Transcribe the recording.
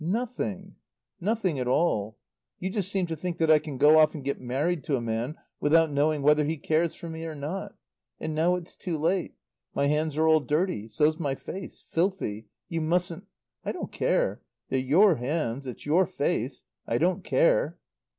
"Nothing. Nothing at all. You just seem to think that I can go off and get married to a man without knowing whether he cares for me or not. "And now it's too late. My hands are all dirty. So's my face filthy you mustn't " "I don't care. They're your hands. It's your face. I don't care."